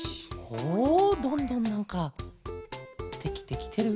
おどんどんなんかできてきてる？